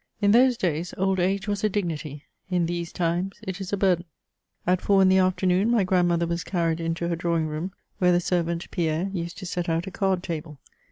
In those days, old age was a dignity: in these times> it is a burthen. At four in the afternoon, my grandmother was carried into her drawing room^ where the servant, Pierre, used to set out a card table.